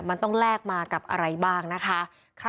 มันต้องแลกมากับอะไรบ้างนะคะ